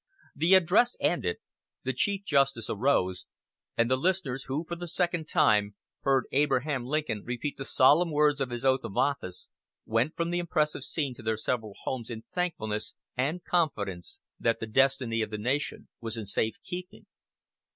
The address ended, the Chief Justice arose, and the listeners who, for the second time, heard Abraham Lincoln repeat the solemn words of his oath of office, went from the impressive scene to their several homes in thankfulness and confidence that the destiny of the nation was in safe keeping.